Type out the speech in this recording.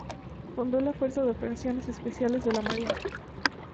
Fundó la Fuerza de Operaciones Especiales de la Marina.